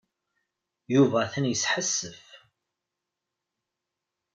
Yuba atan yesḥassef.